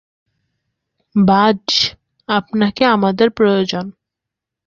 বায, আপনাকে আমাদের প্রয়োজন।